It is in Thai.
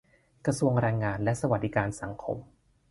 กระทรวงแรงงานและสวัสดิการสังคม